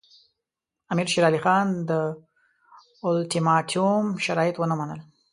امیر شېر علي خان د اولټیماټوم شرایط ونه منل.